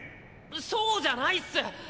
そうじゃないっす！